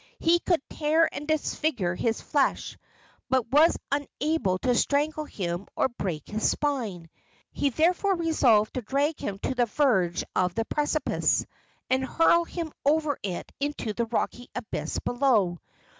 He could tear and disfigure his flesh, but was unable to strangle him or break his spine. He therefore resolved to drag him to the verge of the precipice, and hurl him over it into the rocky abyss below.